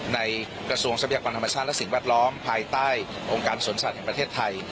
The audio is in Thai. กระทรวงทรัพยากรธรรมชาติและสิ่งแวดล้อมภายใต้องค์การสวนสัตว์แห่งประเทศไทย